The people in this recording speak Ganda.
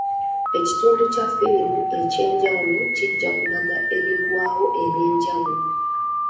Ekitundu kya ffirimu eky'enjawulo kijja kulaga ebigwawo eby'enjawulo.